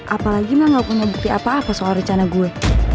apalagi mah gak punya bukti apa apa soal rencana gue